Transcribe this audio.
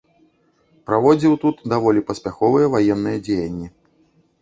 Праводзіў тут даволі паспяховыя ваенныя дзеянні.